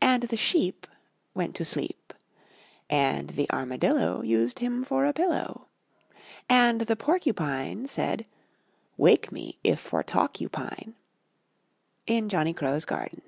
And the Sheep Went to sleep, And the Armadillo Used him for a pillow; And the Porcupine Said: "Wake me if for talk you pine!" In Johnny Crow's Garden.